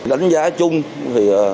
đánh giá chung thì